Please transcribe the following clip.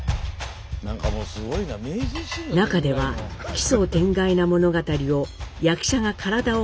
中では奇想天外な物語を役者が体を張って表現。